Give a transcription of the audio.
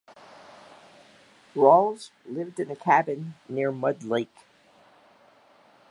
Rawls lived in a cabin near Mud Lake.